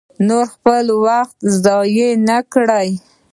نور خپل وخت ضایع نه کړي.